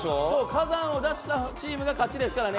火山を出したチームが勝ちですからね。